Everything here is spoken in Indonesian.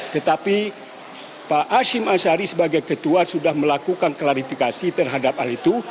tetapi pak asyim ashari sebagai ketua sudah melakukan klarifikasi terhadap hal itu